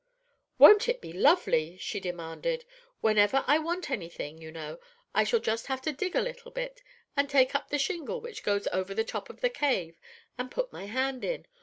"Won't it be lovely?" she demanded. "Whenever I want any thing, you know, I shall just have to dig a little bit, and take up the shingle which goes over the top of the cave, and put my hand in.